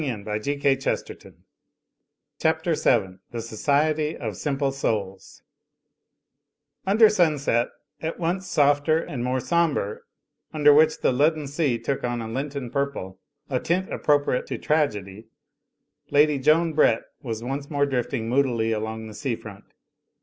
Digitized by CjOOQ IC CHAPTER VII THE SOCIETY OF SIMPLE SOULS Under sirnset, at once softer and more sombre, under which the leaden sea took on a Lenten purpl^, a tint appropriate to tragedy, Lady Joan Brett was once more drifting moodily along the sea front.